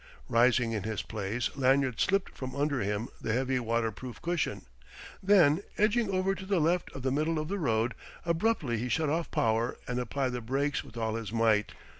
Rising in his place, Lanyard slipped from under him the heavy waterproof cushion. Then edging over to the left of the middle of the road, abruptly he shut off power and applied the brakes with all his might.